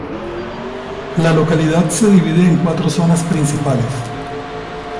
La localidad se divide en cuatro zonas principales.